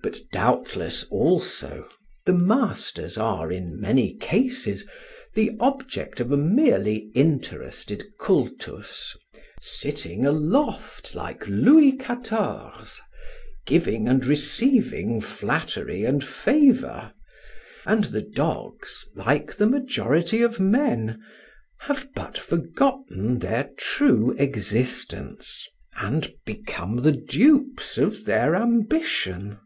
But doubtless, also, the masters are, in many cases, the object of a merely interested cultus, sitting aloft like Louis Quatorze, giving and receiving flattery and favour; and the dogs, like the majority of men, have but forgotten their true existence and become the dupes of their ambition.